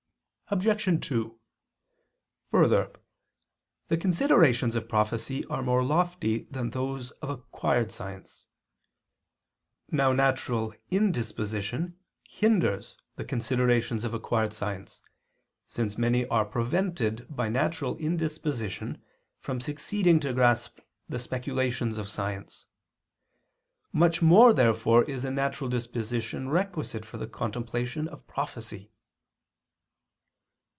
Obj. 2: Further, the considerations of prophecy are more lofty than those of acquired science. Now natural indisposition hinders the considerations of acquired science, since many are prevented by natural indisposition from succeeding to grasp the speculations of science. Much more therefore is a natural disposition requisite for the contemplation of prophecy.